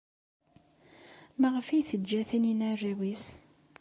Maɣef ay teǧǧa Taninna arraw-nnes?